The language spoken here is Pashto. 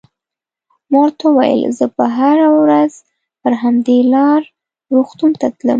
ما ورته وویل: زه به هره ورځ پر همدې لار روغتون ته تلم.